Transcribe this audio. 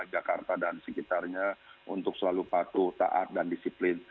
jakarta dan sekitarnya untuk selalu patuh taat dan disiplin